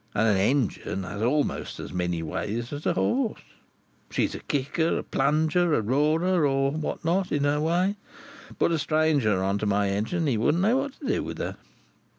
And a engine has almost as many ways as a horse; she's a kicker, a plunger, a roarer, or what not, in her way. Put a stranger on to my engine, and he wouldn't know what to do with her.